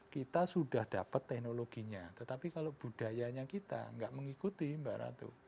kita sudah dapat teknologinya tetapi kalau budayanya kita nggak mengikuti mbak ratu